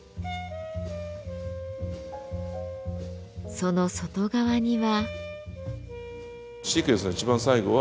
その外側には。